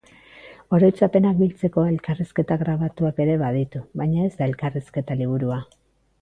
Oroitzapenak biltzeko elkarrizketa grabatuak ere baditu, baina ez da elkarrizketa liburua.